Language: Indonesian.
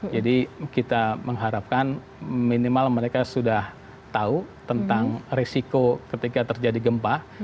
jadi kita mengharapkan minimal mereka sudah tahu tentang risiko ketika terjadi gempa